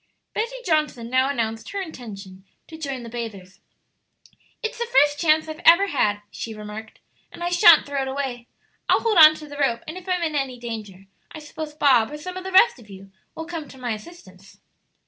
Betty Johnson now announced her intention to join the bathers. "It's the first chance I've ever had," she remarked, "and I shan't throw it away. I'll hold on to the rope, and if I'm in any danger I suppose Bob, or some of the rest of you, will come to my assistance?"